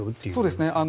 そうですね。